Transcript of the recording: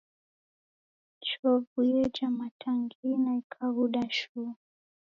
Chovu yeja matangina ikaghuda shuu.